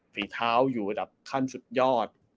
ฝีเท้าอยู่ระดับขั้นสุดยอด